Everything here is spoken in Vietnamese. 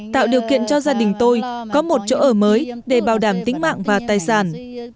tạo điều kiện cho gia đình tôi có một chỗ ở mới để bảo đảm tính mạng và tài sản